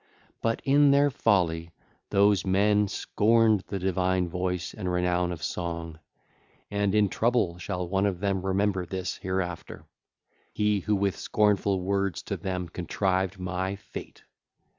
But in their folly those men scorned the divine voice and renown of song, and in trouble shall one of them remember this hereafter—he who with scornful words to them 2603 contrived my fate.